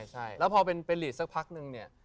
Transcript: ใช่แล้วพอเป็นลีตสักพักหนึ่ง